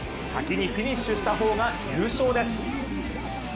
先にフィニッシュした方が、優勝です。